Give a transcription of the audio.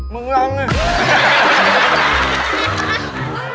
มึงรังนะ